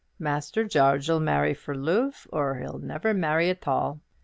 Master Jarge 'll marry for loove, or he'll never marry at all.